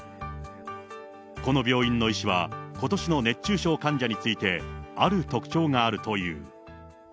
この病院の医師は、ことしの熱中症患者について、ある特徴があるという。